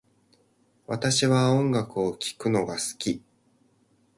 私は音楽を聴くのが好き